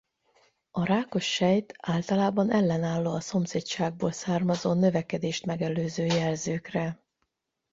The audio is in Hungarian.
A rákos sejt általában ellenálló a szomszédságból származó növekedést-megelőző jelzőkre.